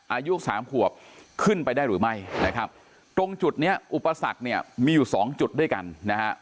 อายุ๓ขวบขึ้นไปได้หรือไม่ตรงจุดนี้อุปสรรคมีอยู่๒จุดด้วยกันนะฮะ